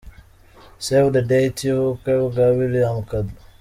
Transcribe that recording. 'Save the date' y'ubukwe bwa William Kadu.